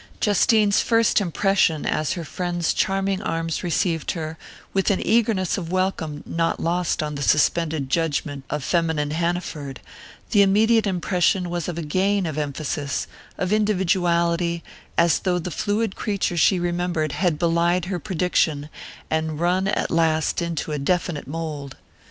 Justine's first impression, as her friend's charming arms received her with an eagerness of welcome not lost on the suspended judgment of feminine Hanaford the immediate impression was of a gain of emphasis, of individuality, as though the fluid creature she remembered had belied her prediction, and run at last into a definite mould.